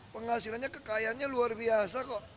penghasilannya kekayaannya luar biasa kok